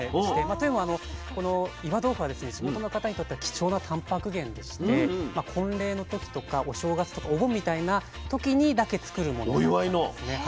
というのはこの岩豆腐は地元の方にとっては貴重なたんぱく源でして婚礼の時とかお正月とかお盆みたいな時にだけ作るものなんですね。